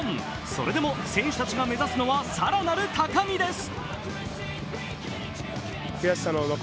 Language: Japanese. それでも選手たちが目指すのは、更なる高みです。